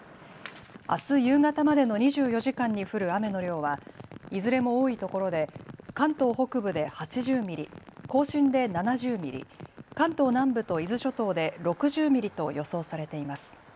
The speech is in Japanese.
あす夕方までの２４時間に降る雨の量はいずれも多いところで関東北部で８０ミリ、甲信で７０ミリ、関東南部と伊豆諸島で６０ミリと予想されています。